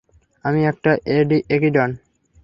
আমি একটা একিডনা!